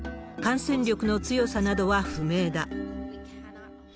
感染力の強さなどは不明だ。